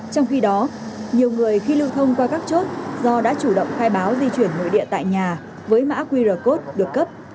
trong khi đó nhiều người khi lưu thông qua các chốt do đã chủ động khai báo di chuyển nội địa tại nhà với mã qr code được cấp